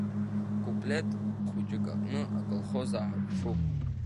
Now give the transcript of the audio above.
Куплет хәыҷык аҟны аколхоз аарԥшуп.